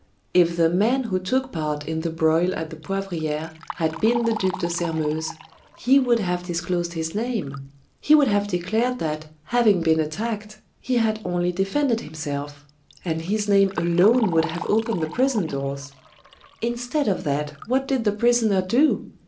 "If the man who took part in the broil at the Poivriere had been the Duc de Sairmeuse, he would have disclosed his name he would have declared that, having been attacked, he had only defended himself and his name alone would have opened the prison doors. Instead of that, what did the prisoner do?